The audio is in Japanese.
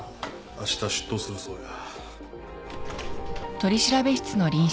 あした出頭するそうや。